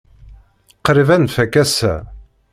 Qrib ad nfak ass-a.